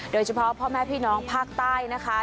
โดยเฉพาะพ่อแม่พี่น้องภาคใต้นะคะ